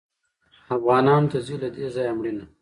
افغانانو ته ځي له دې ځایه مړینه